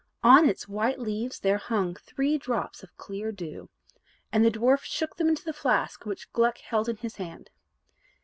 On its white leaves there hung three drops of clear dew. And the dwarf shook them into the flask which Gluck held in his hand.